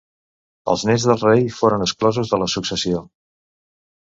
Els néts de rei foren exclosos de la successió.